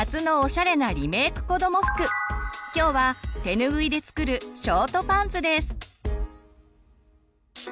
今日はてぬぐいで作る「ショートパンツ」です。